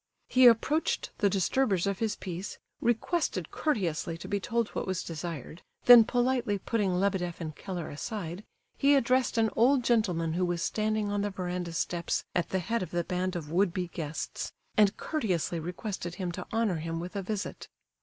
He approached the disturbers of his peace, requested courteously to be told what was desired; then politely putting Lebedeff and Keller aside, he addressed an old gentleman who was standing on the verandah steps at the head of the band of would be guests, and courteously requested him to honour him with a visit.